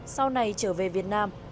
sau này trở về việt nam